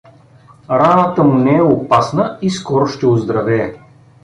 Раната му не е опасна и скоро ще оздравее.